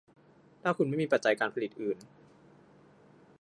ถ้าคุณไม่มีปัจจัยการผลิตอื่น